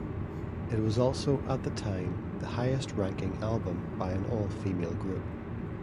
It was also, at the time, the highest-ranking album by an all-female group.